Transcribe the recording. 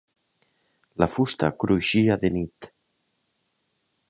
La fusta cruixia de nit.